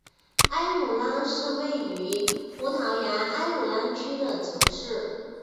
埃武拉是位于葡萄牙埃武拉区的城市。